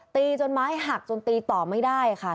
ตีจนไม้หักจนตีต่อไม่ได้ค่ะ